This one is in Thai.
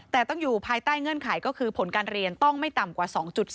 แต่ต้องอยู่ภายใต้เงื่อนไขก็คือผลการเรียนต้องไม่ต่ำกว่า๒๔